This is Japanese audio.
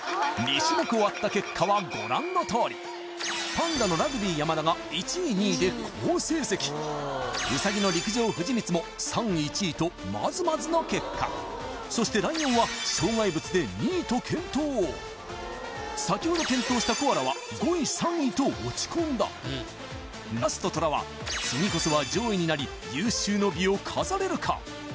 ２種目終わった結果はご覧のとおりパンダのラグビー・山田が１位２位で好成績ウサギの陸上・藤光も３位１位とまずまずの結果そしてライオンは障害物で２位と健闘先ほど転倒したコアラは５位３位と落ち込んだラストトラは次こそは上位になり有終の美を飾れるか？